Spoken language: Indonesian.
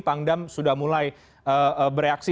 pangdam sudah mulai bereaksi